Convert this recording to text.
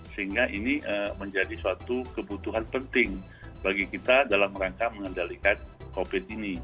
sehingga ini menjadi suatu kebutuhan penting bagi kita dalam rangka mengendalikan covid ini